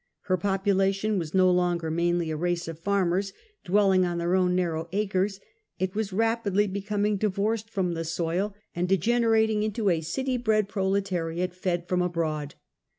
Her population was no longer mainly a race of farmers dwelling on their own narrow acres; it was ra|>idly becoming divorced from the soil, and degenerating into PEOVINCIAL ADMINISTRATION 5 a city bred proletariate fed from abroad.